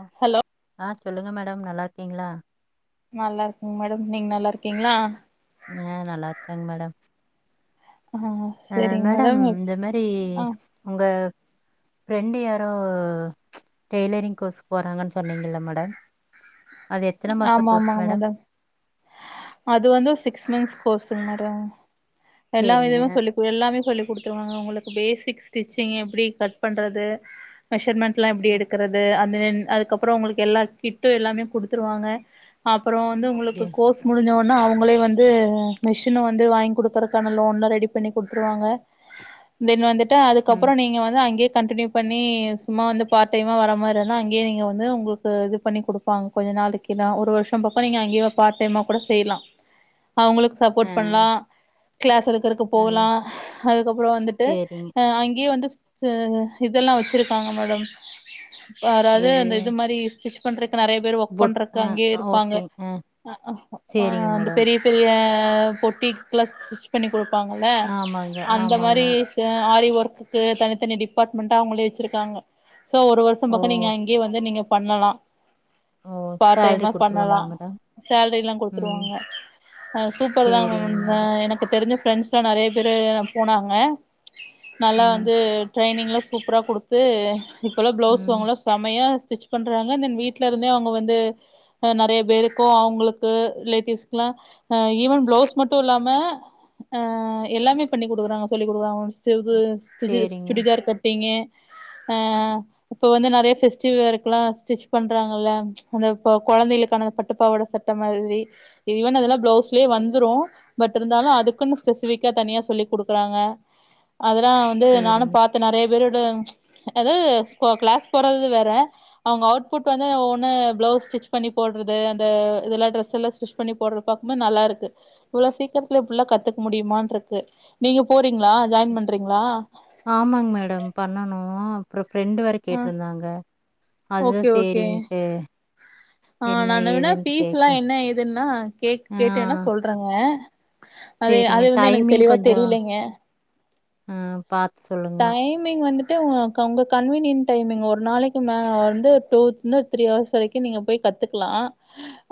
ஆ hello ஆ சொல்லுங்கள் madam நல்லாிருக்கீங்களா நல்லா இருக்கங்க மேடம் நீங்க நல்லா இருக்கீங்களா ஆ நல்லா இருக்காங்க மேடம் ஆ அ சரிங்க மேடம் இந்த மாதிரி ஆ உங்க ஃப்ரெண்டு யாரோ டெய்லரிங் கோர்ஸ போறாங்கன்னு சொன்னீங்கல்ல மேடம் அது எத்தனை மாசம் ஆமா கோர்ஸ் ஆமாங்க மேடம் அது வந்து ஒரு சிக்ஸ் மந்த்ஸ் கோர்ஸ மேடம் எல்லாம் சேரிங்க விதமே சொல்லி எல்லாமே சொல்லி கொடுத்துருவாங்க உங்களுக்கு பேசிக் ஸ்டிச்சிங் எப்படி கட் பண்ணுறது மெஷர்மெண்ட்லாம் எப்படி எடுக்கிறது அந்த அதுக்கப்புறம் அவங்களுக்கு எல்லா கிட்டும் எல்லாமே கொடுத்துருவாங்க அப்புறம் வந்து உங்களுக்கு அப்டியா கோச அவங்களே வந்து மிஷின் வந்து வாங்கி கொடுக்குதுக்கான லோன்லள ரெடி பண்ணி கொடுத்துருவாங்க தென் வந்துட்டு ம் அதுக்கப்புறம் நீங்க வந்து அங்கே கண்டினியூ பண்ணி சும்மா வந்து பார்ட் டைமாக வர மாதிரி இருந்தால் அங்கேயே நீங்கள் வந்து உங்களுக்கு இது பண்ணி கொடுப்பாங்க கொஞ்ச நாளைக்குெல்லாம் ஒரு வருஷம் பக்கம் நீங்கள் அங்கேயே பார்ட் டைமாக கூட செய்யலாம் அவுங்களுக்கு ஆ சப்போர்ட் பண்லாம் கிளாஸ் இருக்கு இருக்கு ஆ போலாம் அதுக்கப்புறோம் வந்துட்டு சேரிங்க அஹ் அங்கயே வந்து சேரிங் இதெல்லாம் வச்சுருக்காங்க மேடம் வாராது எது அந்த இது மாரி ஸ்டிச் பண்றக் நெறய பேர் ஒர்க் பொட் பண்றக்கு ஆ அங்கயே இருப்பாங்க ஓகே ஆ சேரிங்க ஹான் அந்த மேடம் பெரிய பெரிய அ பொட்டிக்ளாம் ஸ்டிச் பண்ணி கொடுக் பாங்கள ஆமாங்க அந்த ஆமாங்க மாரி ஆரி ஒர்க் ஒர்க்குக்கு தனித்தனி டிபார்ட்மெண்ட்டா அவுங்களே வெச்சிருக்காங்க சோ ஒரு வருஷோம் ஓ பக்கம் நீங்க அங்கயே வந்து நீங்க பண்ணலாம் ஓ பார்ட் சேல்ரி டைமா குடுத்துருவாங்களா பண்ணலாம் மேடம் சேல்ரிலாம் குடுப் ம் குடுத்துடுவாங்க சூப்பர் தான் சேரிங்க மேடம் எனக்கு தெரிஞ்ச ஃபிரெண்ட்ஸ் எலாம் நெறைய பேரு போனாங்க நல்லா ம் வந்து ட்ரைய்னிங்லாம் சூப்ரா குடுத்து இப்போல்லாம் ப்ளவுஸ் ம் அவுங்களாம் செமையாக ஸ்டிச் பண்றாங்க தென் வீட்ல இருந்தே அவுங்க வந்து நறய பேருக்கும் அவுங்களுக்கு ரிலேட்டிவ்ஸ்க்லாம் ஈவன் பிளவுஸ் மட்டும் இல்லாம ஹ எல்லாமே பண்ணி குடுக்குறாங்க சொல்லி் குடுக்கறாங்க [unintelligible] சேரிங்க சுடிதார் கட்டிங்கு ஆஹ் இப்ப வந்து நறய பெஸ்டிவல்க்லாம் ஸ்டிச் பண்றாங்கல்ல அந்த இப்ப குழந்தைகளுக்கான இந்த பட்டுப்பாவட சட்ட மாரி ஈவன் அதுலாம் பிளவுஸ்லே வந்துரூம் பட் இருந்தாலும் அதுக்குன்னு ஸ்பெசிபிக்கா தனியா சொல்லி குடுக்குறாங்க அதெல்லாம் வந்து சேரிங்க நானும் பாத்தேன் நெறைய பேர் அதாது கிளாஸ் போரது வேற அவுங்க அவுட்புட் வந்து ஒவ்வொன்னு பிளவுஸ் ஸ்டிச் பண்ணி போடுறது அந்த இது லாம் ட்ரெஸ் ஸ்டிச் பண்ணி போட்ற பாக்கூம் போது நல்லா இருக்கு இவ்ளோ சீக்கிரத்துல்ல இப்டிலாம் கத்துக்க முடியுமான்ருக்கு நீங்க போறீங்களா ஜாயின் பண்றீங்களா ஆமாங் மேடம் பண்ணணும் அப்புறம் ஃப்ரெண்ட் வேற ஆஹ் கேட்டிருந்தாங்க. ஓகே அதுதான் ஓகே சரின்ட்டு, ஆஹ் என்ன நானு வேனா ஏதுன்ட்டு கேட்க. பீஸ்லாம் என்ன ஏதுன்னா ஆ கேட்டு வேன்னா சொல்றங்க அத சரிங்க. அது வந்து எனக்கு தெளிவா தெரிலைங்க ஆஹ் பாத்து சொல்லுங்க வந்டு உங்க கன்வீனியன்ட் டைமிங் ஒரு நாளைக்கு வந்து டூ இருந்து த்ரீ ஹவர்ஸ் வரைக்கூம் நீங்க போய் கத்துக்லாம்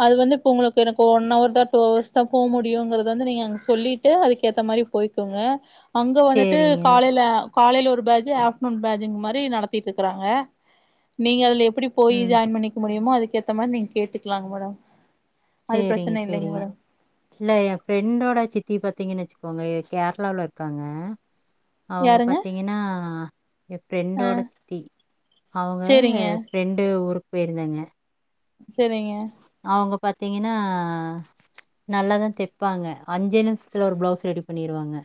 அது வந்து இப்ப உங்ளுக்கு எனக்கு ஒன் ஹவர் தான் டூ ஹவர்ஸ் தான் போ முடியும்ங்கறத வந்து நீங்க அங்க சொல்லிட்டு அதுக் ஏத்த மாரி போய்க்கோங்க அங்க வந்துட்டு சரிங்க. காலையில காலையில ஒரு பேட்ச ஆஃப்டர்னூன் பேட்சங்கமாரி நடத்தீட்டு இருக்காங்க நீங்க அதுல ப்படி போயி ம். ஜாயின் பண்ணிக்க முடியமோ அது ஏத்த மாதிரி நீங்க கேட்டுக்கலாங்க மேடம் அது செரிங்க பிரச்சன இல்லைங்க செரிங்க மேடம் இல்ல என் ஃப்ரெண்டோட சித்த த்தி பாத்தீங்கன்னு வச்சுக்கோங்க கேரளாவில இருக்காங்க அவங்க யாருங்க பாத்தீங்கன்னா என் ஆ ஃப்ரெண்டோட சித்தி அவங்க சேரிங்க ஃப்ரெண்டு ஒரு போயிருந்தேங்க செரிங்க அவங்க பாத்தீங்கன்னா நல்லாதான் தெப்பாங்க அஞ்சே நிமிஷத்துல ஒரு பிளவுஸ்ஸ ரெடி பண்ணிருவாங்க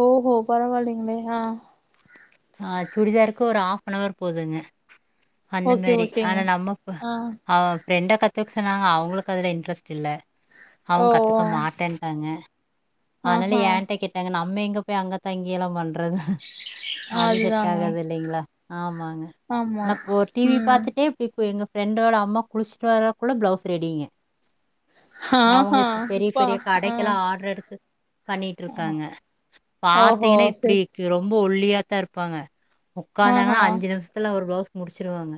ஓஹோ பரவலிங்களே ஹ ஆஹ் சுடிதார்க்கு ஒரு ஹாப்அன்வர் போதுங்க அந்த ஓகே மாரி ஓகேங்க ஆனா நம்ம ஆ அவ பிரப்ரெண்ட க த்துக்கு சொன்னாங்க அவங்களுக்கு அதில இன்ட்ரெஸ்ட் இல்லை ஓ அவங்க கத்துக்க ஓ மாட்டேட்டாங்க அதனால ஆஹா ஏன்ட கேட்டாங்க நான் நம்ம எங்க போய் அங்க தங்கி ஏளம் பண்றது அது செட் அதுதாங்க ஆகது இல்லைங்களா ஆமா ங்க ஆமா ஆன இப்போ டிவி ம் பாாரத்துட்டேப்படி எங்க ஃப்ரெண்டோட அம்மா குளிச்சுட்டு வர கூல்ல பிளவுஸ் ரெடிங்க அவங்க ஆஹா இப்ப பெரிய அப்பா பெரிய ஆ கடைக்கெல்லாம் ஆர்டர் எடுத்து பண்ணிட்டு இருக்காங்க ஓஹோ பாத்தீங்கன்னா செரி இப்படிக்கு ரொம்ப ப்போல்லியா தான் இருப் ப்பாங்க ஆஹா உடாந்தாங்கன்னா அஞ்சு நிமிஷத்துல ஒரு பிளவுஸ் முடிச்சிருவாங்க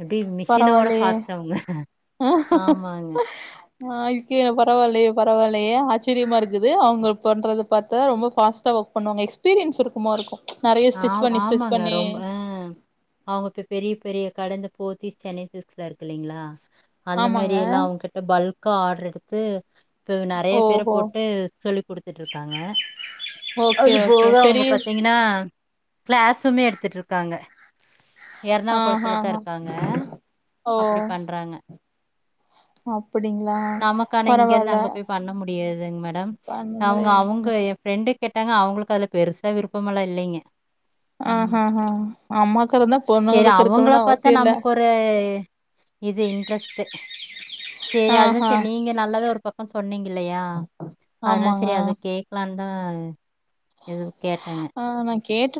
எப்படி மிஷினோட பரவாயில்லையே பாஸ்ட் ஆங்க ஆமாங்க ஆ இதுக்கு பரவாயில்லையே பரவாயில்லையே ஆச்சரியமா இருக்குது அவங்க பண்றது பார்த்தா ரொம்ப ஃபாஸ்ட்டா ஒர்க் பண்ணுவாங்க எக்ஸ்பீரியன்ஸ் இருக்குமோ இருக்கும் நெறைய ஆ ஸ்டிச் பண்ணி ஸ்டிச் ஆமாங்க பண்ணி ரொம்ப அஹ் அவங்கப்பய் பெரிய பெரிய கடந்த போத்தீஸ் சென்னை சில்க்ஸ்லா இருக்கு இல்லலைங்களா அந்த மாரி ஆமாங்க எல்லாம் அவங்க கிட்ட பல்க் காடுடர் எடுத்து ப்போ நெறயா பேர ஓஹோ போட்டு சொல்லிக் கொடுத்துட்டு இருக்காங்க ஓகே அது ஓகே போக அவங்க பெரிய பாத்தீங்கன்னா கிளேஸுமே எடுத்துட்டு இருக்காங்க எர்ணாககுளத்துலதா ஆஹாஹா இருக்காங்க அப்டி ஓ பண்றாங்க அப்டிங்களா நமக்கானா இங்க இருந்து பரவால்ல அங்க போய் பண்ண முடியாதுங் மேடம் அந்த மாரி அவங்க அவங்க என் பிரெண்டு கேட்டாங்க அவங்களுக்கு அதுல பெருசா விருப்பமெல்லா இல்லீங்க ஆஹ் ஹ ஹ அம்மாக்கு இருந்தா சரி பொண்ணுங்களுக்கு அவங்கள இருக்கணுனு பாத்தா அவசிய இல்ல நமக்கு ஒரு சேரி அது ஆஹ்ஹா சரி நீங்க நல்லத ஒரு பக்கம் சொன்னீங்க இல்லையா அதனால ஆமாங்க சரி அது கேக்கலான் நஹ் எது கேட்டாங்க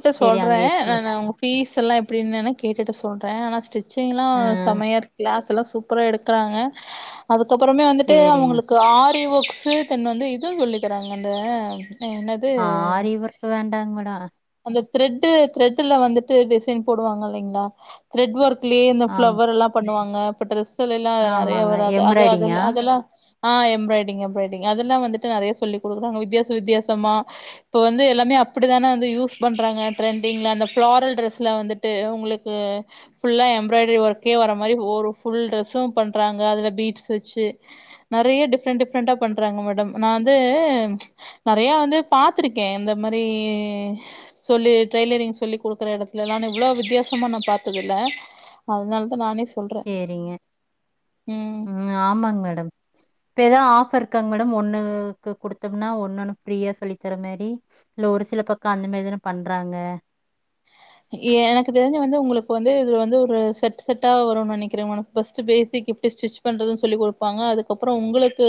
சர் சொல்றே ஹ்ம் பீஸ் எல்லா எப்டின்னு வேணா கேட்டுட்டு சொல்றே நெனச்ட் இர் ச்சங்கனா ஆ செமையா இருக்ல க்ளாஸ் எல்லா சூப்பரா எடுக்கறாங்க அதுக்கு அதுக்கப்பறமே வந்துட்டு சரிங்க. அவங்களுக்கு ஆறிவு சேவ் பண்ணின் வந்து இது சொல்லிக்கறாங்க அந்த என்னது அரிவருக்கு வேண்டாங் மேட த் த்ரெட்டு த்ரெட்டுல வந்துட்டு டிசைன் போடுவாங் இல்லிங்களா த்ரெட் ஒர்க் கிளே இந்த ஆம் பிளவர் எல்லா பண்ணுவாங் நா பட்டல்ஸ் இதுல எல்லா நெறயா ஆமாங்க. வராது அது எம்ப்ராய்டிங்கா? அதல்ல அதெல்லா ஆஹ் எம்ராய்டிங் எம்ராய்டிங் அதெல்லா வந்துட்டு நெறயா சொல்லி கொடுக்கறாங்க வித்யாச வித்யாசமா இப்ப வந்து எல்லாமே அப்டிதானே வந்து யூஸ் பண்றாங்க த்ரெண்டிங்ல அந்த ஃபிளாரல் ட்ரெஸ்ல வந்துட்டு உங்களுக்கு ஃபுல்லா எம்ராய்டரி ஒர்க்கே வர மாரி ஒரு ஃபுல் ட்ரெஸ்ஸும் பண்றாங்க அதுல பீட்ஸ் வச்சு நெறயா டிஃப்ரெண்ட் டிஃப்ரெண்ட்டா பண்றாங்க மேடம் நா வந்து நெறயா வந்து பாத்திருக்கே இந்த மாரி சொல்லி டெய்லரிங் சொல்லி கொடுக்கற எடத்லல்லா நா இவ்ளோ வித்யாசமா நா பாத்தது இல்ல அதனாலதா நானே சொல்றே செரிங்க ம் உம் ஆமாங் மேடம் இப்ப ஏதாது ஆபர் இருக்காங் மேடம் ஒண்ணுக்கு குடுத்தம்னா ஒன்னுனு ஃப்ரீயா சொல்லி தர மாரி இல்ல ஒரு சில பக்க அந்த மாரிதா பண்றாங்க ட்ட வந்து உங்களுக்கு வந்து வந்து ஒரு செட் செட்டா வருனு நெனைக்கற உனக் ஃபர்ஸ்ட்டு பேசிக் எப்டி ஸ்டிச் பண்றது சொல்லிகொடுப்பாங்க அதுக்கப்றோ உங்களுக்கு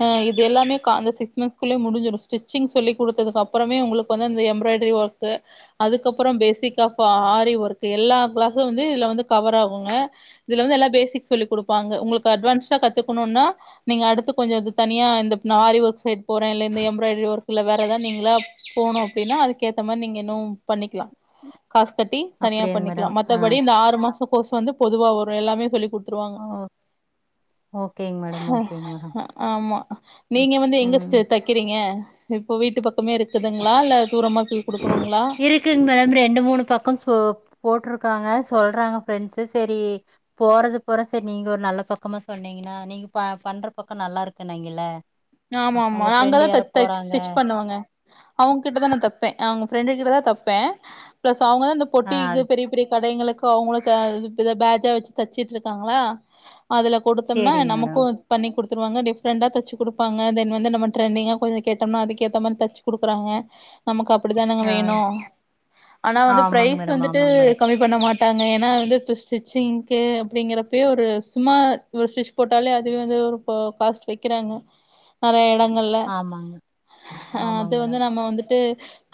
ஹா இது எல்லாமே கா ந்த சிக்ஸ்ம ந்த்குள்ளேயே முடுஞ்சுரு ஸ்டிச்சிங் சொல்லிக் கொடுத்ததுக் அப்புறமே உங்களுக்கு வந்து எம்ராய்டரி ஒர்க் அதுக்கப் அப்றோ பேசிக் ஆஃப் ஆரி ஒர்க் எல்லா கிளாஸும் வந்து இதுல வந்து கவர் ஆகுங்க இதுல வந்து எல்லா பேசிக்ஸ் சொல்லிக் கொடுப்பாங்க உங்களுக்கு அட்வான்ஸா கத்துக்கணுனா நீங்க அடுத்து கொஞ்சோ தனியா இந்த ஆரி ஒர்க் சைட் போற இல்ல இந்த எம்ராய்டரி ஒர்க் இல்ல வேற ஏதாது நீங்களா போகணு அப்டின்னா அதுக்கேத்த மாரி நீங்க இன்னு பண்ணிக்கலா காசு கட்டி தனியா அப்படியாங்க பண்ணிக்கலா மேடம்? ஆ. மத்தபடி இந்த ஆறு மாஸ் கோர்ஸ் வந்து பொதுவா வரு எல்லாமே சொல்லி் கொடு த்ருவாங் ஓ ஓகேங்க மேடம், ஹா ஓகேங்க மேடம். ஆமா ம். நீங்க வந்து எங்க ம். சிஸ்டர் தக்கறீங்க ப்பவீட்டு பக் மே இருக்குதுங்களா இல்ல தூரமாக இருக்குங்க மேட ரே ரெண்டு மூணு பக்கம் போட்டிருக்காங்க சொல்றாங்க ஃப்ரெண்ட்ஸ் சரி போறது போற சரி நீங்க ஒரு நல்ல பக்கமா சொன்னீங்கன்னா நீங்க பண்ற பக்கம் நல்லா இருக்குண்ணாங்கள ஆமா ஆமா அங்கதான் த த ஸ்டிச் பண்ணுவாங்க அவங்க கிட்டதான் நான் தப்பேன் அவங்க ஃப்ரெண்டு கிட்ட தான் தப்பேன் பிளஸ் அவங்க இந்த ஆ பொட்டிக்கு பெரிய பெரிய கடைகளுக்கு கு அவங்களுக்கு இது பேஜா வச்சு தச்சட்டு இருக்காங்களா அதுல கொடுத்தோம்னா சேரிங்க நமக்கு மேடம் இது பண்ணி குடுத் த்துருவங்க டிஃரெண்டா தச்சு குடு ப்பாங்க தென் வந்து திரெண்டிங்க கொஞ்ச கேட்டம்னா அதுக்ஏத்த மாரி தச்சு குடுக்குறாங்க நமக் அப்டி தானுங்க ஆ வேணு ஆனா வந்து ஆமாங்க ப்ரைஸ் மேடம் வந்துடு ஆமாங்க மேடம் கம்மி பண்ண மாட்ட ட்டாங்க ஏன்னா வந்து இப்போ ஸ்டிச்சிங்க்கு அப்டிங்கறப்பேயே ஒரு சும்மா ஒரு ஸ்டிச் போட்டாலே அதுவே வந்து ஒரு காஸ்ட் வைக்கிறாங்க நெறய எட கல்ல ஆமாங்க அது ஆமாங்க வந்து மேடம் நம்ம வந்துட்டு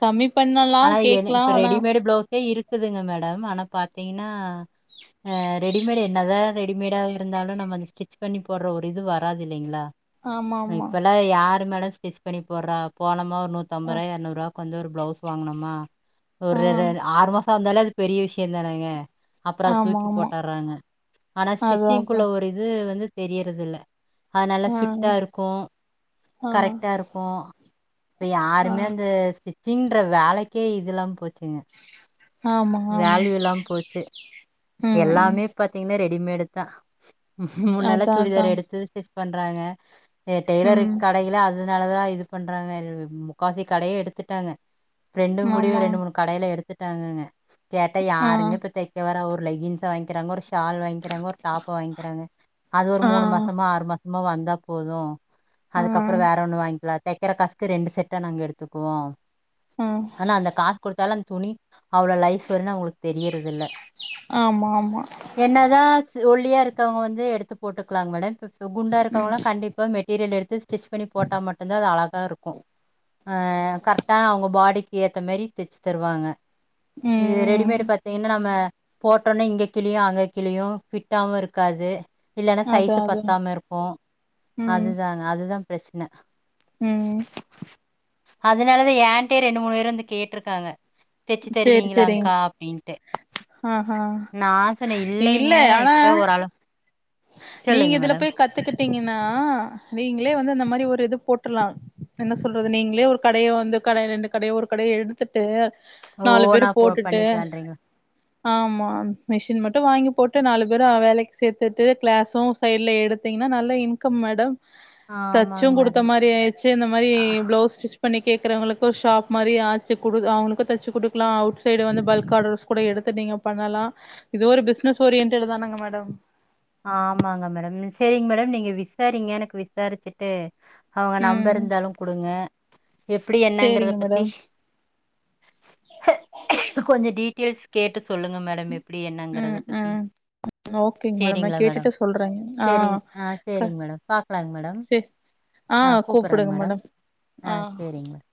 கம்மி பண்ணலா ஆனா என்னு கேக்லா இப்ப ஆனா ரெடிமேடு ஃப்ளவுஸே இருக்கு இருக்குதுங்க மேடம் ஆனா பாத்தீங்கன்னாஹ ரெடிமேடு என்னதா ரெடிமேடாக இருந்தாலும் நம்ம அந் ஸ்டிச் பண்ணி போடுற ஒரு இது வராது இல்லைங்களா ஆமா ஆமா இப்பல்லா யாரு மேடம் சைஸ் பண்ணி போட்றா போனமா ஆ நூத்தம்பரூவா எறநூறுரூவா கொஞ்ச ஒரு ப்ளவுஸ் வாங்கனமா ஆ ஒரு ரு ஆறு மாசம் வந்தாலே அது பெரிய விஷயம்தானங்க அப்பறோ அத ஆமா தூக்கி ஆமா போட்டறாங்க ஆனா அதா அதா ஸ்டிச்சிங்குள்ள ஒரு இது வந்து தெரியறதுல்ல அது நல்லா ஆ ஃபிட்டா இருக்கும் ஆ கரெக்டா இருக்கும் இப்ப ஆ யாருமே அந்த ஸ்டிச் சிங் ன்ற வேலைக்கே இது இல்லா போச்சுங்க ஆமா ஆமா வேல்யூல்லா போச்சு ம் ம் எல்லாமே பாத்தீங்கன்னா ரெடிமேட் தா முன்னெல்லாம் அதா அதா சுடிதார் எடுத்து பண்றாங்க டெய்லரு ம் கடையில அது அதனாலதா இது பண்றாங்க முக்காவாசி கடையே எடுத்துட்டாங்க ரெண்டும் கூடி ஒரு ஆமா ரெண்டு மூணு கடையில எடுத்துட்டு தங்குங்க கேட்டா ஆ யாருங்க இப்ப தைக்க வரா லெகின்ஸ் வங்கிக்றாங்க ஒரு ஷா ஷால் வாங்கிக்கிறாங்க ஒரு டாப்ப வாங்கிக்கிறாங்க அது ஒரு ஆ மூணு மாசமா ஆறு மாச ம்ம வந்தா போது ஆ அதுக்கப்புறோ வேற ஒண்ணு வாங்கிகலா தைக்கர காசுக்கு ரெண்டு செட்டை நாங்க எடுத்துக்குவோ ஆ ஆனா அந்த காஸ் கொடுத்தாலு துணி அவளோ லைஃப்வனு அவங்களுக்கு தெரியறதுல்ல ஆமா ஆமா என்னதா ஸ் ஒல்லியா இருக் இருக்குறவங்க வந்து எடுத்து போட்டுக்கலாங்க மேட குண்டா ம் இருக்குறவங்கள கண்டிப்பா மெட்டீரியல் எடுத்து ஸ்டிச் பண்ணி போட்டா மட்டுந்தா அது அழக இருக்கு அஹ் கரெக்டா அவங்க பாடிக்கு ஏத்த மாரி தச்சு தருவாங்க இது ம் ம் ரெடிமேடு் பாத்தீங்கன்னா நம்ம போட்டோனே இங்ககிழியு அங்க கிழியு ஃபிட்டாவு இருக்காது இல்லைன்னா அதா சைஸு அதா பத்தாம இருக்கு ம் அதுதாங்க அதுதா பிரச்சன ம் அதனாலதா ஏன்டையே ரெண்டு மூணு இருந்து கேட்ருக்காங்க தச்சு சேரி சேரிங் தருவீங்களாங்க்கா அப்படின்ட்டு ஆ ஹா நா சொன்னே இல்ல இல்லலைங்க ஆனா இப்ப ஒரு ஆள நீங்க இதுல போய் கத்துக்கிட் பாத்தீங்கன்னா நீங்களே வந்து அந்த மாரி ஒரு இது போட்டுலா என்ன சொல்றது நீங்களே ஒரு கடையோ வந்து கடை ரெண்டு கடைய ஒரு கடையோ எடுத்துட்டு நாலு பேரு ஓனா போ போட்டுட்டு பண்ணிக்கலான்றீங்களா ஆமா மிஷின் மட் ங்கி போட்டு வாங்கி போட்டு நாலு பேர வேலைக்கு சேர்த்துட் கிளாஸும் சைட்ல எடுத்தீங்கன்னா நல்லா இன்கம் மேடம் தச்சு ஆமாங்க குடுத்த மேடம் மாரி ஆயிடுச்சு இந்த மாதிரி பிளவுஸ் ஸ்டிச் பண்ணி கேக்குறவங்களுக்கு ஒரு ஷாப் மாரி ஆச்சு குடு அவங்களுக்கு தச்சு குடுக்கலா அவுட் சைடு வந்து பல்க் ஆர்டர்ஸ் கூட எடுத்து நீங்க பண்ணலா இதோ ஒரு பிசினஸ் ஓரியன்டட் தானங்க மேட ஆமாங்க மேடம் சரிங்க மேடம் நீங்க விசாரீங்க எனக்கு விசாரிச்சுட்டு அவங்க நம்பர் ம் இருந்தாலு குடுங்க எப்படி என்னங்கறத சேரிங்க பத்தி மேடம் கொஞ்சம் டிட் கேஸ் கேட்டது சொல்லுங்க மேடம் எப்படி என்னங்கறத ம் பத்தி ம் ஓகேங்க மேடம் நா சரிங்களா மேட கேட்டுட்டு சொல்றேங்க ஆ சரிங் ஆ க சரிங்க மேட பாக்கலாங்க மேட சே ஆ கூப்பிட்றாங்க மேடம் ஆ சரிங்க [inaudible]